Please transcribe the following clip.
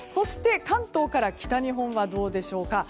関東から北日本はどうでしょうか